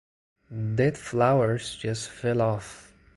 Dead flowers just fell off.